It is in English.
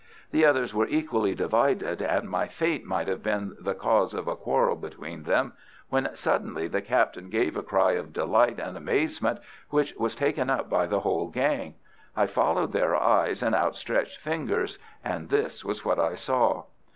The others were equally divided, and my fate might have been the cause of a quarrel between them when suddenly the captain gave a cry of delight and amazement which was taken up by the whole gang. I followed their eyes and outstretched fingers, and this was what I saw.